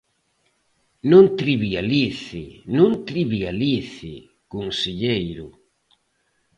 Non trivialice, non trivialice, conselleiro.